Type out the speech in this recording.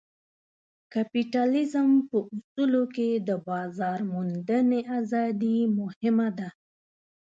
کپیټالیزم په اصولو کې د بازار موندنې ازادي مهمه ده.